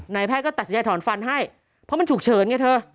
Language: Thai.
แพทย์ก็ตัดสินใจถอนฟันให้เพราะมันฉุกเฉินไงเธอ